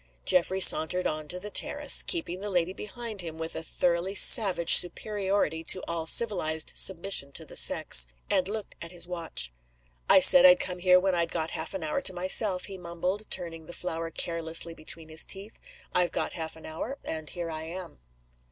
Geoffrey sauntered on to the terrace keeping the lady behind him with a thoroughly savage superiority to all civilized submission to the sex and looked at his watch. "I said I'd come here when I'd got half an hour to myself," he mumbled, turning the flower carelessly between his teeth. "I've got half an hour, and here I am."